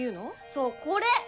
そうこれ！